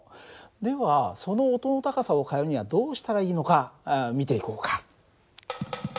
ではその音の高さを変えるにはどうしたらいいのか見ていこうか。